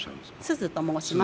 スズと申します。